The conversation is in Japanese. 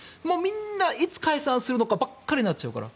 みんないつ解散するのかばかりになっちゃうから。